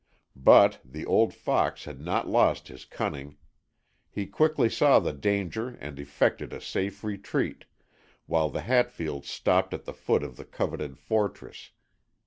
But the old fox had not lost his cunning. He quickly saw the danger and effected a safe retreat, while the Hatfields stopped at the foot of the coveted fortress.